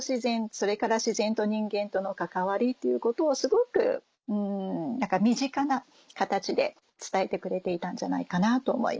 それから自然と人間との関わりということをすごく身近な形で伝えてくれていたんじゃないかなと思います。